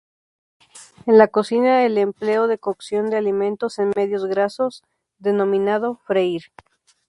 En la cocina el empleo de cocción de alimentos en medios grasos, denominado freír.